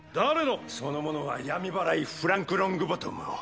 その者は闇祓いフランク・ロングボトムを